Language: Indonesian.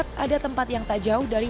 tempat ada tempat yang tak jauh dari